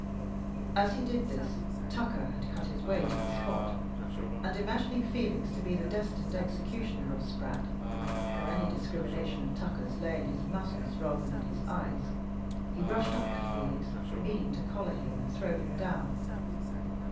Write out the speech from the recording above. As he did this, Tucker had cut his way to the spot, and imagining Felix to be the destined executioner of Spratt for any discrimination of Tucker's lay in his muscles rather than his eyes he rushed up to Felix, meaning to collar him and throw him down.